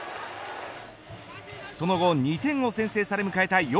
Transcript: その後２点を先制され迎えた